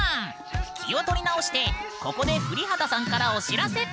気を取り直してここで降幡さんからお知らせ。